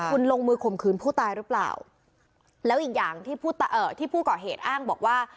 คุณลงมือข่มขืนผู้ตายหรือเปล่าแล้วอีกอย่างที่ผู้เอ่อที่ผู้ก่อเหตุอ้างบอกว่า